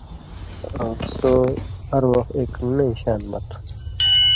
آں سو ہر وخ اېک نئ شان مہ تُھو۔